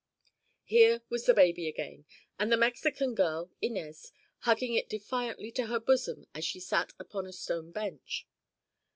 Here was the baby again, with the Mexican girl, Inez, hugging it defiantly to her bosom as she sat upon a stone bench.